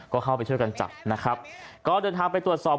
ก็เข้าไปช่วยกันจับนะครับก็เดินทางไปตรวจสอบ